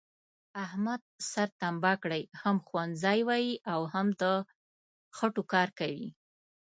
احمد سر تمبه کړی، هم ښوونځی وایي او هم د خټوکار کوي،